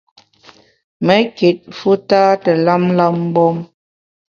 Me kit fu tâ te lam lam mgbom.